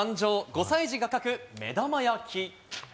５歳児が描く目玉焼き。